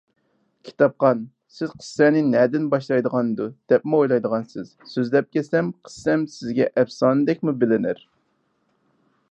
كىتابخان، سىز قىسسەنى نەدىن باشلايدىغاندۇ، دەپمۇ ئويلايدىغانسىز، سۆزلەپ كەلسەم، قىسسەم سىزگە ئەپسانىدەكمۇ بىلىنەر.